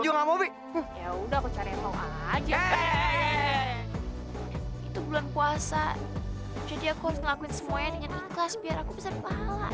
jadi aku harus ngelakuin semuanya dengan ikhlas biar aku bisa berpahala